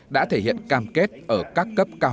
đã thể hiện cam kết ở các cấp cao